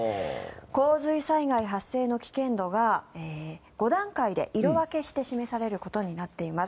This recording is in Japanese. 洪水災害発生の危険度が５段階で色分けして示されることになっています。